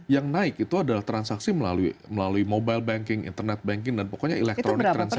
yang naik itu adalah transaksi melalui mobile banking internet banking dan pokoknya electronic transaksi